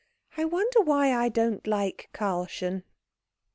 I wonder why I don't like Karlchen."